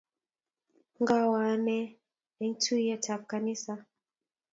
Ngawo ane eng tuiyet ab kaniset